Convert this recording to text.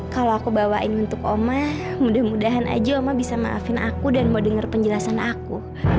kalau aku bawain untuk oma mudah mudahan aja oma bisa maafin aku dan mau denger penjelasan aku